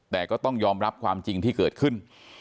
แต่ก็ต้องยอมรับความจริงที่เกิดขึ้น